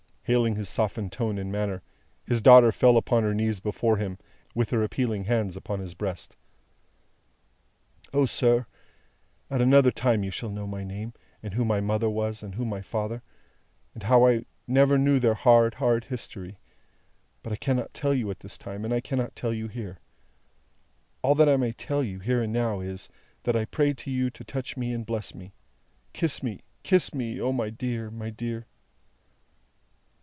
Hailing his softened tone and manner, his daughter fell upon her knees before him, with her appealing hands upon his breast. "O, sir, at another time you shall know my name, and who my mother was, and who my father, and how I never knew their hard, hard history. But I cannot tell you at this time, and I cannot tell you here. All that I may tell you, here and now, is, that I pray to you to touch me and to bless me. Kiss me, kiss me! O my dear, my dear!"